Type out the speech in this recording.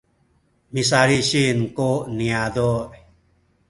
misalisin ku niyazu’